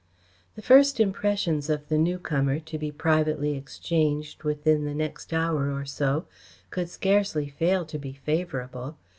The first impressions of the newcomer, to be privately exchanged within the next hour or so, could scarcely fail to be favourable.